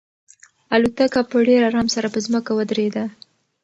الوتکه په ډېر ارام سره په ځمکه ودرېده.